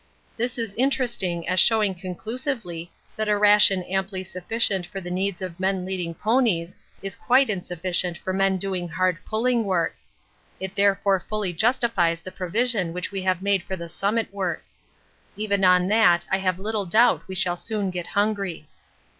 This is interesting as showing conclusively that a ration amply sufficient for the needs of men leading ponies is quite insufficient for men doing hard pulling work; it therefore fully justifies the provision which we have made for the Summit work. Even on that I have little doubt we shall soon get hungry.